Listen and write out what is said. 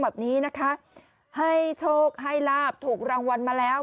แบบนี้นะคะให้โชคให้ลาบถูกรางวัลมาแล้ว